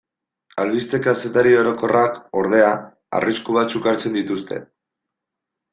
Albiste-kazetari orokorrak, ordea, arrisku batzuk hartzen dituzte.